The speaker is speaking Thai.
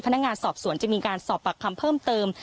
พนักงานสอบสวนจะมีการสอบปากคำเพิ่มเติม